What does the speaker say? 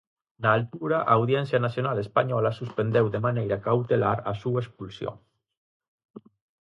Na altura, a Audiencia Nacional española suspendeu de maneira cautelar a súa expulsión.